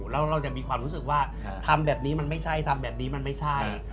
แล้วเราจะมีความรู้สึกว่าทำแบบนี้มันไม่ใช่ทำแบบนี้มันไม่ใช่